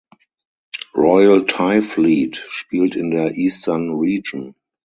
Royal Thai Fleet spielt in der Eastern Region.